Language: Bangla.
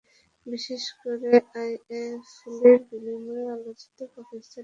বিশেষ করে, আইএস ফলির বিনিময়ে আলোচিত পাকিস্তানি নারী আফিয়া সিদ্দিকীর মুক্তি চেয়েছিল।